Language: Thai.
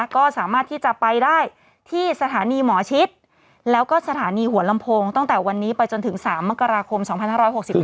ก็สามารถที่จะไปได้ที่สถานีหมอชิดแล้วก็สถานีหัวลำโพงตั้งแต่วันนี้ไปจนถึง๓มกราคม๒๕๖๒